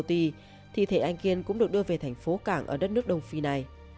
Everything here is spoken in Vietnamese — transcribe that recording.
houthi thì thể anh kiên cũng được đưa về thành phố cảng ở đất nước đông phi này